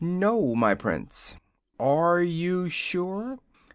"No, my Prince." "Are you sure?"